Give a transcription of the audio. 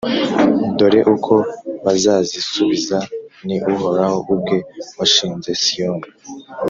Dore uko bazazisubiza: Ni Uhoraho ubwe washinze Siyoni,